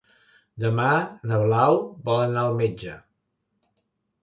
Demà na Blau vol anar al metge.